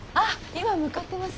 今向かってます。